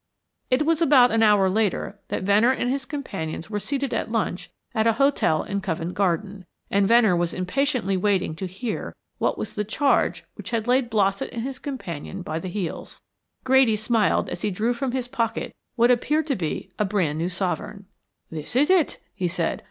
It was about an hour later that Venner and his companions were seated at lunch at a hotel in Covent Garden, and Venner was impatiently waiting to hear what was the charge which had laid Blossett and his companion by the heels. Grady smiled as he drew from his pocket what appeared to be a brand new sovereign. "This is it," he said.